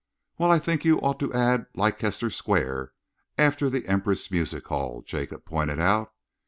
"Well, I think you ought to add 'Leicester Square' after the Empress Music Hall," Jacob pointed out.